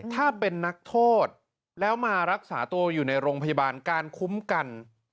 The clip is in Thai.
ถ้าเป็นนักโทษแล้วมารักษาตัวอยู่ในโรงพยาบาลการคุ้มกัน